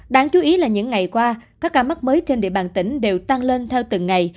đáng chú ý là những ngày qua các ca mắc mới trên địa bàn tỉnh đều tăng lên theo từng ngày